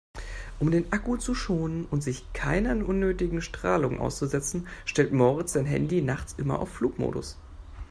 Um den Akku zu schonen und sich keiner unnötigen Strahlung auszusetzen, stellt Moritz sein Handy nachts immer auf Flugmodus.